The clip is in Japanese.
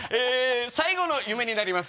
最後の夢になります！